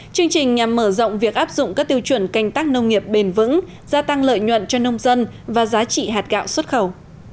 chương trình nhằm mở rộng việc áp dụng các tiêu chuẩn canh tác nông nghiệp bền vững gia tăng lợi nhuận cho nông dân và giá trị hạt gạo xuất khẩu